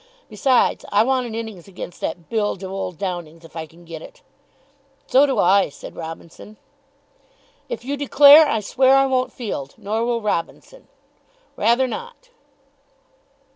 Besides, I want an innings against that bilge of old Downing's, if I can get it." "So do I," said Robinson. "If you declare, I swear I won't field. Nor will Robinson." "Rather not."